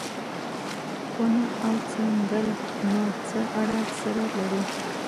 کونه او څنگل نو څه اړه سره لري.